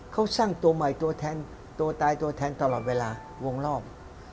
เขาสร้างตัวใหม่ตัวแทนตัวตายตัวแทนตลอดเวลาวงรอบ